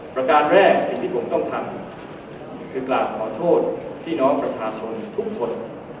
ประการแรกสิ่งที่ผมต้องทำคือกราบขอโทษพี่น้องประชาชนทุกคน